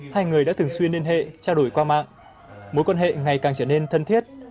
hai người đã thường xuyên liên hệ trao đổi qua mạng mối quan hệ ngày càng trở nên thân thiết